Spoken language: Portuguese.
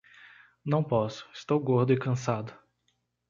Não posso, estou gordo e cansado